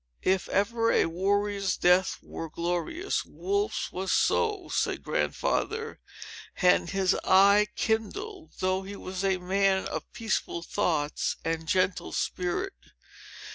"If ever a warrior's death were glorious, Wolfe's was so!" said Grandfather; and his eye kindled, though he was a man of peaceful thoughts, and gentle spirit.